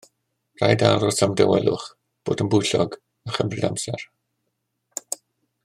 Rhaid aros am dawelwch, bod yn bwyllog a chymryd amser